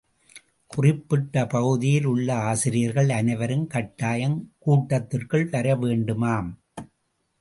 குறிப்பிட்ட பகுதியில் உள்ள ஆசிரியர்கள் அனைவரும் கட்டாயம் கூட்டத்திற்கு வர வேண்டுமாம்.